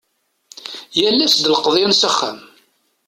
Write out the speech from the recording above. Yal ass d lqeḍyan s axxam.